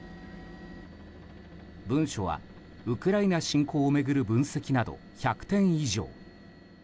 文書は、ウクライナ侵攻を巡る分析など１００点以上。